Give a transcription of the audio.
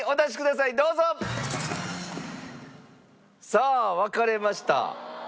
さあ分かれました。